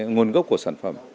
nguồn gốc của sản phẩm